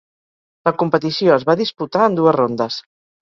La competició es va disputar en dues rondes.